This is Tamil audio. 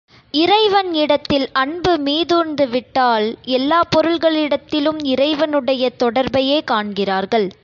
இறைவன் இடத்தில் அன்பு மீதுார்ந்துவிட்டால் எல்லாப் பொருள்களிடத்திலும் இறைவனுடைய தொடர்பையே காண்கிறார்கள்.